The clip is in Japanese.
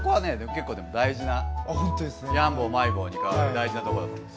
結構でも大事なヤンボールマイボールに変わる大事なとこだと思います。